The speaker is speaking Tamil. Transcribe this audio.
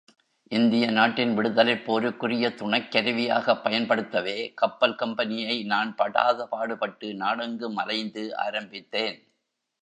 இந்திய நாட்டின் விடுதலைப் போருக்குரிய துணைக் கருவியாகப் பயன்படுத்தவே கப்பல் கம்பெனியை நான் படாதபாடுபட்டு நாடெங்கும் அலைந்து ஆரம்பித்தேன்.